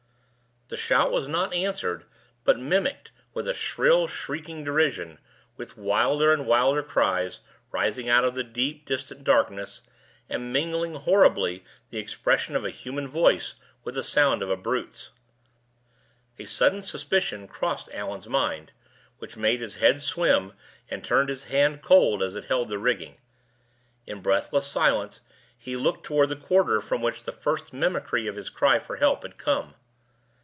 The shout was not answered, but mimicked with a shrill, shrieking derision, with wilder and wilder cries, rising out of the deep distant darkness, and mingling horribly the expression of a human voice with the sound of a brute's. A sudden suspicion crossed Allan's mind, which made his head swim and turned his hand cold as it held the rigging. In breathless silence he looked toward the quarter from which the first mimicry of his cry for help had come.